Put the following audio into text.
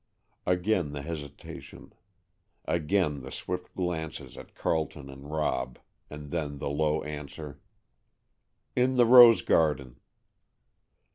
Again the hesitation. Again the swift glances at Carleton and Rob, and then the low answer: "In the rose garden."